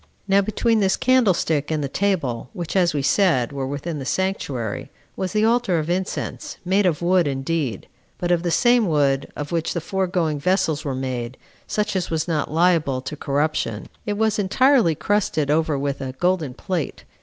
8. Now between this candlestick and the table, which, as we said, were within the sanctuary, was the altar of incense, made of wood indeed, but of the same wood of which the foregoing vessels were made, such as was not liable to corruption; it was entirely crusted over with a golden plate.